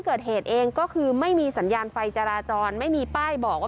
เกิดเหตุเองก็คือไม่มีสัญญาณไฟจราจรไม่มีป้ายบอกว่า